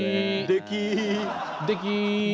でき！